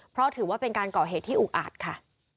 เพราะถือว่าเป็นการก่อเหตุที่อุกอาจค่ะ